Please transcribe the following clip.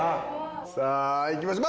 さあいきましょう。